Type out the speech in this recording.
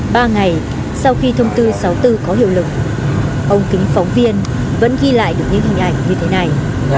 ba ngày sau khi thông tư sáu mươi bốn có hiệu lực ông kính phóng viên vẫn ghi lại được những hình ảnh như thế này